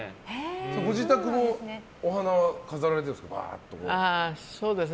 ご自宅もお花は飾られてるんですか。